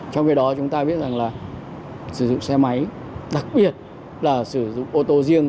trong khi đó chúng ta biết rằng là sử dụng xe máy đặc biệt là sử dụng ô tô riêng